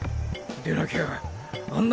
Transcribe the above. でなきゃあんな